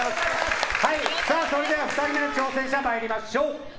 それでは、２人目の挑戦者参りましょう。